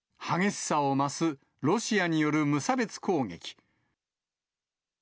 激しさを増すロシアによる無差別攻撃。